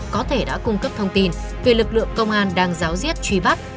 có thể đã cung cấp thông tin về lực lượng công an đang giáo diết truy bắt